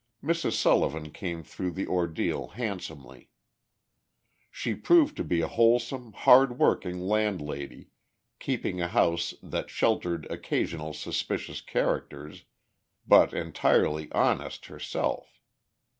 Mrs. Sullivan came through the ordeal handsomely. She proved to be a wholesome, hard working landlady, keeping a house that sheltered occasional suspicious characters, but entirely honest herself.